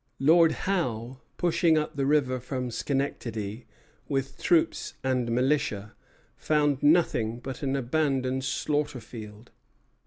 Lord Howe, pushing up the river from Schenectady with troops and militia, found nothing but an abandoned slaughter field.